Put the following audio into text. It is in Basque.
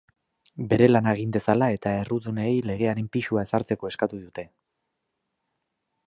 Bere lana egin dezala eta errudunei legearen pisua ezartzeko eskatu dute.